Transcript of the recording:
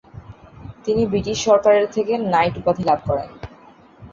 তিনি ব্রিটিশ সরকারের থেকে নাইট উপাধি লাভ করেন ।